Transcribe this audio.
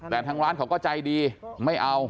แต่ทางร้านเขาก็ใจดีไม่เอา